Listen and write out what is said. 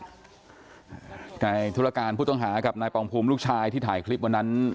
นายธุรการผู้ต้องหากับนายปองภูมิลูกชายที่ถ่ายคลิปวันนั้น